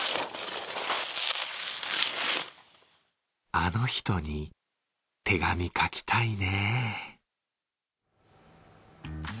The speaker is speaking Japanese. あの人に手紙書きたいね。